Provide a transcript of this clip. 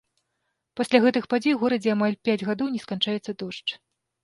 Пасля гэтых падзей у горадзе амаль пяць гадоў не сканчаецца дождж.